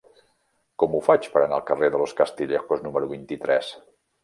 Com ho faig per anar al carrer de Los Castillejos número vint-i-tres?